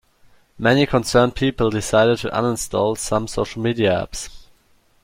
Many concerned people decided to uninstall some social media apps.